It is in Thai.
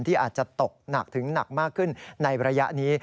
ที่อาจจะตกหนักถึงหนักมากขึ้นในระยะนี้